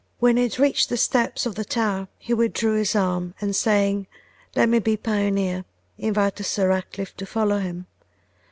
When he had reached the steps of the tower he withdrew his arm, and saying, 'Let me be pioneer,' invited Sir Ratcliffe to follow him.